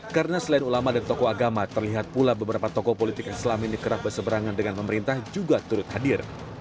karena selain ulama dan tokoh agama terlihat pula beberapa tokoh politik islam ini kerap berseberangan dengan pemerintah juga turut hadir